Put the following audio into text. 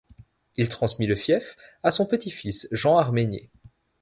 Il transmit le fief à son petit-fils Jean Arménier.